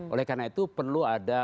oleh karena itu perlu ada